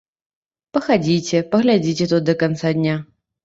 Пахадзіце, паглядзіце тут да канца дня.